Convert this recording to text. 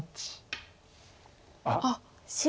あっ！